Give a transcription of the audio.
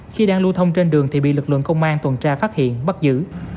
khi đang lưu thông trên đường thì bị lực lượng công an tuần tra phát hiện bắt giữ